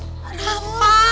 neng di pulang dulu mbak